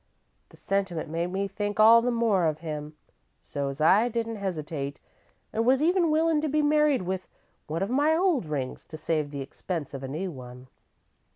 The sentiment made me think all the more of him, so 's I didn't hesitate, an' was even willin' to be married with one of my old rings, to save the expense of a new one.